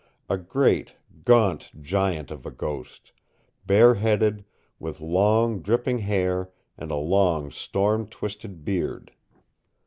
A great, gaunt giant of a ghost, bare headed, with long, dripping hair and a long, storm twisted beard.